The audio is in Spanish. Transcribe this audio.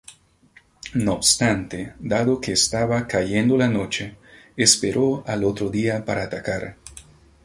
No obstante, dado que estaba cayendo la noche, esperó al otro día para atacar.